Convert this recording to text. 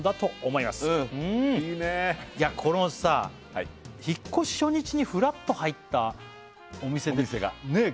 えいやこのさ引っ越し初日にフラッと入ったお店でねえ